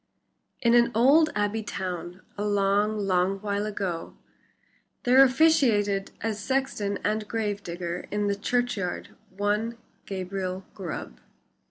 In an old abbey town, a long, long while ago there officiated as sexton and gravedigger in the churchyard one Gabriel Grubb.